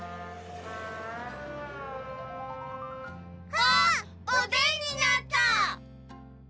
あっおでんになった！